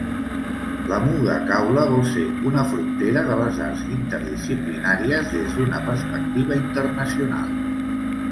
La Muga Caula vol ser una frontera de les arts interdisciplinàries des d'una perspectiva internacional.